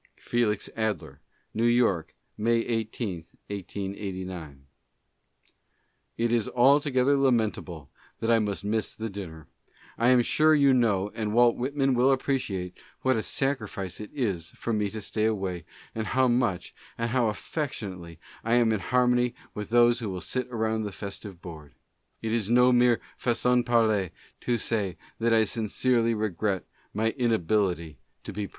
Felix Adler: New York, May 18, 1889. It is altogether lamentable that I must miss the dinner. ... I am sure you know, and Walt Whitman will appreciate, what a sacrifice it is for me to stay away, and how much and how affec tionately I am in harmony with those who will sit around the festive board. ... It is no mere facon parler to say that I sin cerely regret my inability to be present.